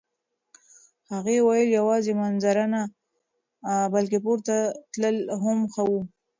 هغې وویل یوازې منظره نه، بلکه پورته تلل هم ښه وو.